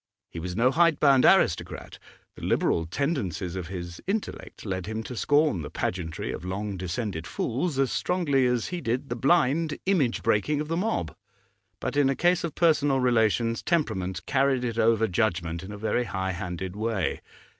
He was no hidebound aristocrat; the liberal tendencies of his intellect led him to scorn the pageantry of long descended fools as strongly as he did the blind image breaking of the mob; but in a case of personal relations temperament carried it over judgment in a very high handed way.